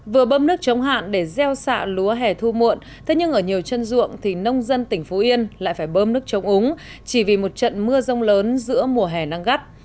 vừa bơm nước chống hạn để gieo xạ lúa hẻ thu muộn thế nhưng ở nhiều chân ruộng thì nông dân tỉnh phú yên lại phải bơm nước chống úng chỉ vì một trận mưa rông lớn giữa mùa hè nắng gắt